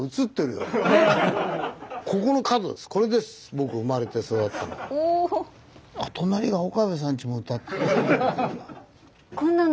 僕生まれて育ったの。